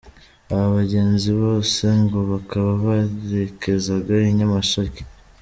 Aba bagenzi bose ngo bakaba berekezaga i Nyamasheke.